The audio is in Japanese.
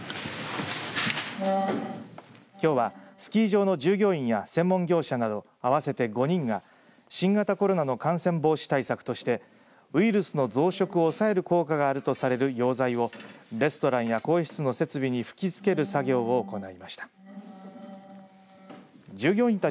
きょうは、スキー場の従業員や専門業者など合わせて５人が新型コロナの感染防止対策としてウイルスの増殖を抑える効果があるとされる溶剤をレストランや更衣室の設備に吹きつける作業を行いました。